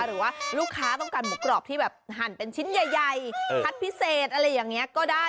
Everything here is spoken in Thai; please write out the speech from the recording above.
หรือว่าลูกค้าต้องการหมูกรอบที่แบบหั่นเป็นชิ้นใหญ่พัดพิเศษอะไรอย่างนี้ก็ได้